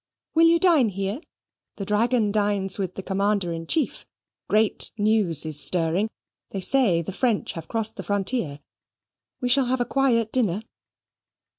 "Will you dine here? The dragon dines with the Commander in Chief. Great news is stirring. They say the French have crossed the frontier. We shall have a quiet dinner."